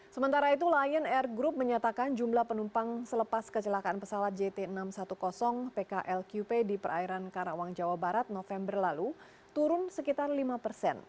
sementara itu lion air group menyatakan jumlah penumpang selepas kecelakaan pesawat jt enam ratus sepuluh pklqp di perairan karawang jawa barat november lalu turun sekitar lima persen